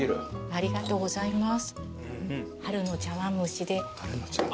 ありがとうございます。